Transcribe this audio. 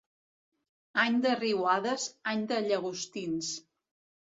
Any de riuades, any de llagostins.